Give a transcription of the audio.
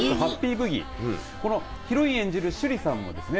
ブギヒロイン演じる趣里さんもですね